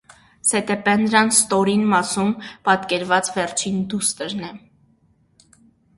Սետեպենրան ստորին մասում պատկերված վերջին դուստրն է։